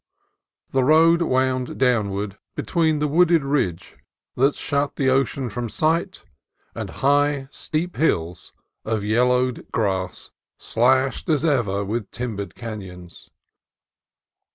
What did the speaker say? The road wound downward between the wooded ridge that shut the ocean from sight and high, steep hills of yellowed grass, slashed, as ever, with timbered canons.